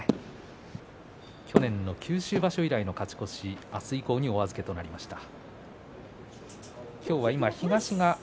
去年の九州場所以来の勝ち越し明日以降にお預けとなりました。